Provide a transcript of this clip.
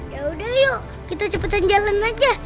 yaudah yuk kita cepetan jalan aja